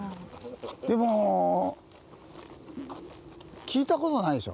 でも聞いたことないでしょ